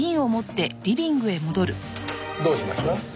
どうしました？